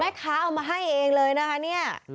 แม่ค้าเอามาให้เองเลยนะคะเนี่ย